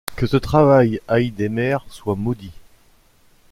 Que ce travail, haï des mères, soit maudit!